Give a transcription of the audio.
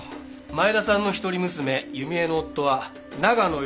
前田さんの一人娘弓枝の夫は長野庸次４８歳。